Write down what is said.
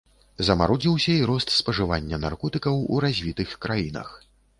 Замарудзіўся і рост спажывання наркотыкаў у развітых краінах.